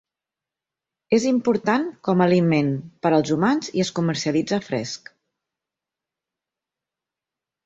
És important com a aliment per als humans i es comercialitza fresc.